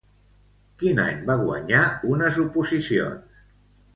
Quin any va guanyar unes oposicions?